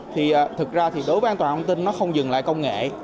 thực ra đối với an toàn thông tin nó không dừng lại công nghệ